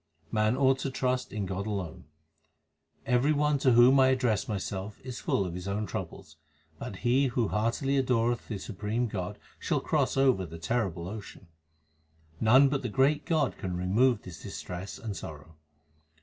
Man ought to trust to God alone : Every one to whom I address myself is full of his own troubles ; But he who heartily adoreth the Supreme God shall cross over the terrible ocean. None but the greatGod can remove this distress and sorrow.